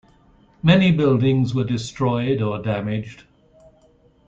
Many buildings were destroyed or damaged.